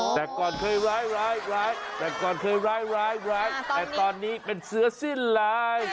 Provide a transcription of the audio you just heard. แต่ก่อนเคยร้ายร้ายแต่ก่อนเคยร้ายร้ายแต่ตอนนี้เป็นเสื้อสิ้นลาย